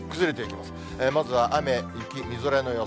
まずは雨、雪、みぞれの予想。